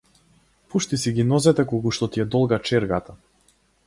Пушти си ги нозете колку што ти е долга чергата.